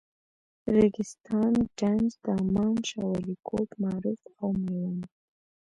ریګستان، ډنډ، دامان، شاولیکوټ، معروف او میوند.